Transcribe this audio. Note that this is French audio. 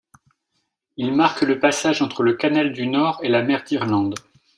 Il marque le passage entre le Canal du Nord et la mer d'Irlande.